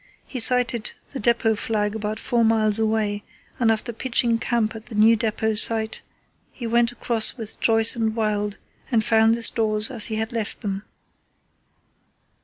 He sighted the depot flag about four miles away, and after pitching camp at the new depot site, he went across with Joyce and Wild and found the stores as he had left them.